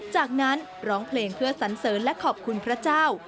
จากนั้นร้องเพลงเพื่อสันเสริญและขอบคุณพระเจ้า